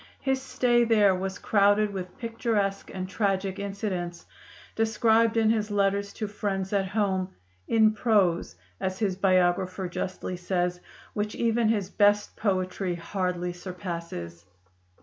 His stay there was crowded with picturesque and tragic incidents, described in his letters to friends at home "in prose," as his biographer justly says, "which even his best poetry hardly surpasses."